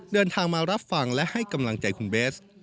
เดินทางมารับฟังและให้กำลังใจคุณเบส